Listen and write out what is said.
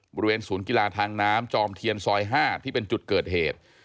บริเวณศูนย์กีฬาทางน้ำจอมเทียนซอย๕ที่เป็นจุดเกิดเหตุ